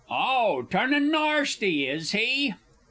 _ Oh, turning narsty, is he?